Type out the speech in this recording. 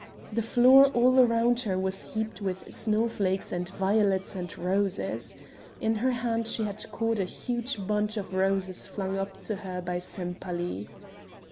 The floor all round her was heaped with snowflakes, and violets, and roses. In her hand she had caught a huge bunch of roses flung up to her by Sempaly.